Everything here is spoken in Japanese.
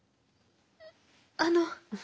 あの！